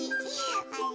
あれ？